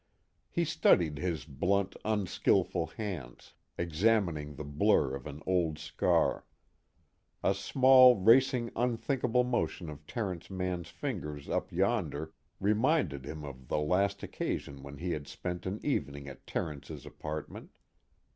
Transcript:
He studied his blunt, unskillful hands, examining the blur of an old scar. A small racing unthinking motion of Terence Mann's fingers up yonder reminded him of the last occasion when he had spent an evening at Terence's apartment.